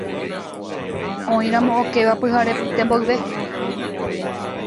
oĩramo okéva pyharepyte mboyve